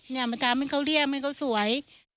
เนี่ยมาทำให้เขาเรียบให้เขาสวย